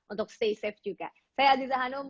untuk stay safe juga saya aziza hanum